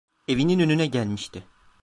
Evinin önüne gelmişti.